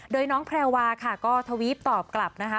โดยน้องแพรวาค่ะก็ทวีปตอบกลับนะคะ